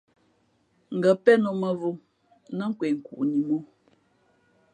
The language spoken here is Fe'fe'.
Ngα̌ pén ō mα̌vō nά kwe nkuʼni mǒ.